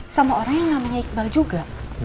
sama orang yang namanya iqbal juga